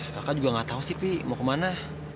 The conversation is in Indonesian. kakak juga nggak tahu sih pi mau kemana